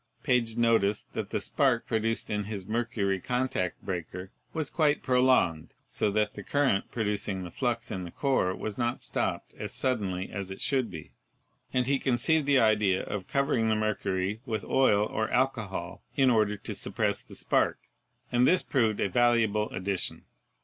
Page noticed that the spark produced in his mer Sturgeon's Induction Coil. cury contact breaker was quite prolonged, so that the cur rent producing the flux in the core was not stopped as sud denly as it should be, and he conceived the idea of cover ing the mercury with oil or alcohol in order to suppress the spark, and this proved a valuable addition.